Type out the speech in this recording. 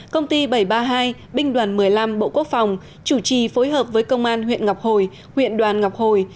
công ty bảy trăm ba mươi hai binh đoàn một mươi năm bộ quốc phòng chủ trì phối hợp với công an huyện ngọc hồi huyện đoàn ngọc hồi